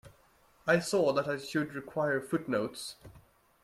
I saw that I should require footnotes.